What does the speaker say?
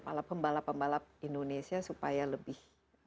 para pembalap pembalap indonesia supaya lebih